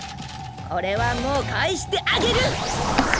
これはもうかえしてあげる！